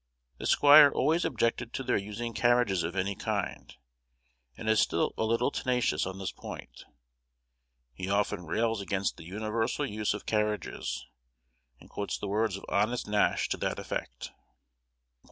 The squire always objected to their using carriages of any kind, and is still a little tenacious on this point. He often rails against the universal use of carriages, and quotes the words of honest Nashe to that effect.